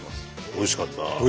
おいしかった。